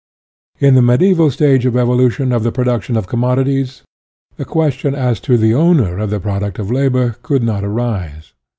In the mediaeval stage of evolution of the production of commodities, the question as to the owner of the product of labor could not arise.